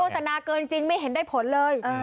สนาเกินจริงไม่เห็นได้ผลเลย